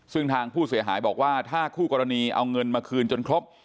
ซึ่งทางผู้เสียหายบอกว่าถ้าคู่กรณีเอาเงินมาคืนจนครบ